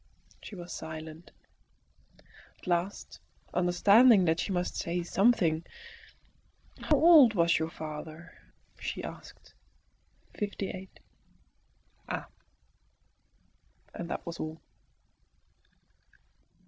She was silent. At last, understanding that she must say something, "How old was your father?" she asked. "Fifty eight." "Ah!" And that was all.